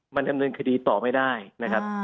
มันดำเนินคดีต่อไม่ได้นะครับ